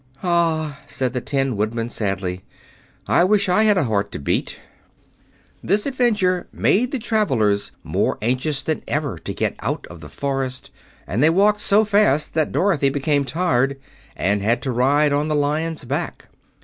"Ah," said the Tin Woodman sadly, "I wish I had a heart to beat." This adventure made the travelers more anxious than ever to get out of the forest, and they walked so fast that Dorothy became tired, and had to ride on the Lion's back.